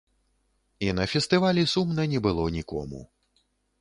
І на фестывалі сумна не было нікому.